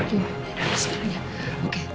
mungkin kita bisa lihat jawabannya